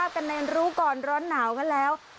กันในรู้ก่อนร้อนหนาวกันแล้ว